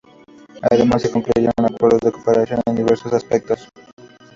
Además, se concluyeron acuerdos de cooperación en diversos aspectos.